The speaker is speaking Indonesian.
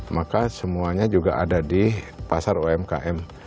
maka semuanya juga ada di pasar umkm